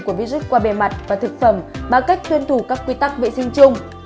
của virus qua bề mặt và thực phẩm bằng cách tuyên thủ các quy tắc vệ sinh chung